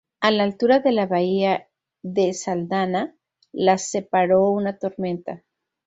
A la altura de la bahía de Saldanha las separó una tormenta.